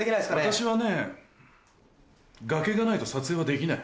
私はね崖がないと撮影はできない。